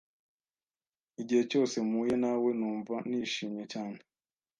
Igihe cyose mpuye na we, numva nishimye cyane.